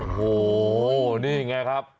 โอ้โหนี่ไงครับ